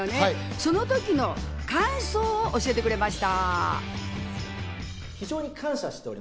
その時の感想を教えてくれました。